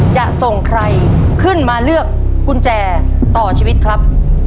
จะส่งใครขึ้นมาเลือกกุญแจต่อชีวิตครับ